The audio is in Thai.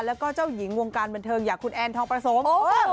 แล้วก็เจ้าหญิงวงการบันเทิงอย่างคุณแอนทองประสม